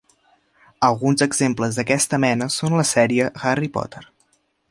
Alguns exemples d'aquesta mena són la sèrie Harry Potter.